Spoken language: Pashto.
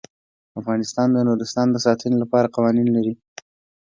افغانستان د نورستان د ساتنې لپاره قوانین لري.